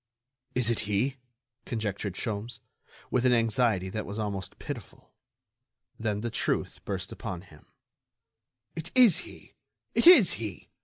"Is it he?" conjectured Sholmes, with an anxiety that was almost pitiful. Then the truth burst upon him: "It is he! It is he!